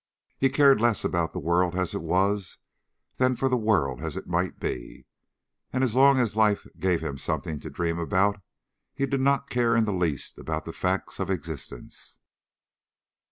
He cared less about the world as it was than for the world as it might be, and as long as life gave him something to dream about, he did not care in the least about the facts of existence.